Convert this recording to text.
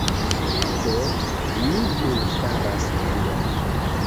Do, ni nun faras tion